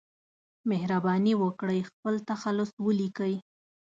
مهرباني وکړئ خپل تخلص ولیکئ